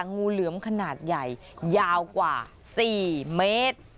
งูเหลือมขนาดใหญ่ยาวกว่า๔เมตร